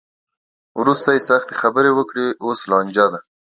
وروسته یې سختې خبرې وکړې؛ اوس لانجه ده.